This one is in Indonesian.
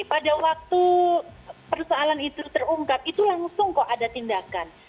pada waktu persoalan itu terungkap itu langsung kok ada tindakan